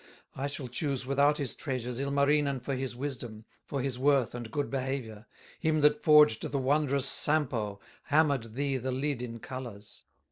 I shall choose without his treasures Ilmarinen for his wisdom, For his worth and good behavior, Him that forged the wondrous Sampo, Hammered thee the lid in colors."